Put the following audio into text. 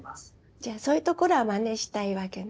じゃあそういうところはまねしたいわけね。